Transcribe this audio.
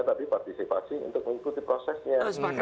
tapi partisipasi untuk mengikuti prosesnya